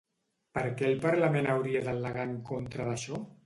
Per què el parlament hauria d’al·legar en contra d’això?